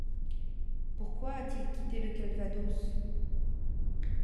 Pourquoi a-t-il quitté le Calvados?